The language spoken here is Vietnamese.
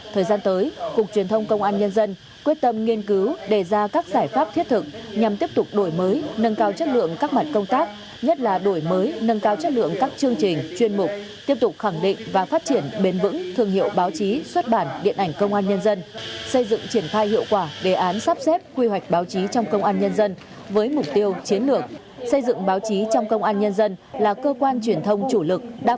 thời gian tới cục truyền thông công an nhân dân quyết tâm nghiên cứu đề ra các giải pháp thiết thực nhằm tiếp tục đổi mới nâng cao chất lượng các mặt công tác nhất là đổi mới nâng cao chất lượng các chương trình chuyên mục tiếp tục khẳng định và phát triển bền vững thương hiệu báo chí xuất bản điện ảnh công an nhân dân xây dựng triển khai hiệu quả đề án sắp xếp quy hoạch báo chí trong công an nhân dân với mục tiêu chiến lược xây dựng báo chí trong công an nhân dân là cơ quan truyền thông chủ lực đa